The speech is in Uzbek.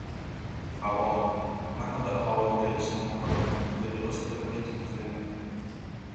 – Havo! Faqat havoga yetishishni xohladim! – dedi oʻspirin hech ikkilanmay.